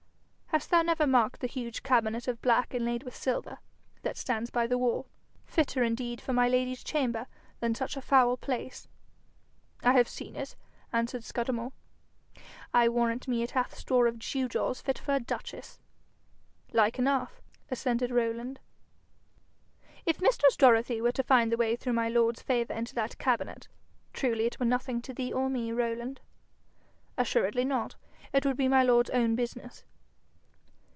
Hast thou never marked the huge cabinet of black inlaid with silver, that stands by the wall fitter indeed for my lady's chamber than such a foul place?' 'I have seen it,' answered Scudamore. 'I warrant me it hath store of gewgaws fit for a duchess.' 'Like enough,' assented Rowland. 'If mistress Dorothy were to find the way through my lord's favour into that cabinet truly it were nothing to thee or me, Rowland.' 'Assuredly not. It would be my lord's own business.'